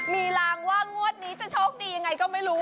มีรางว่างวดนี้จะโชคดียังไงก็ไม่รู้